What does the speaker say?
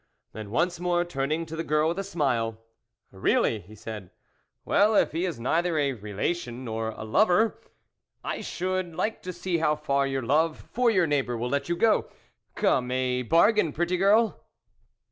Then, once more turning to the girl with a smile. I' Really !" he said. Well, if he is neither a relation nor a lover, I should like to* see how far your love for your neighbour will let you go. Come, a bargain, pretty girl